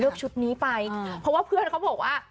ชุดนี้ไปเพราะว่าเพื่อนเขาบอกว่า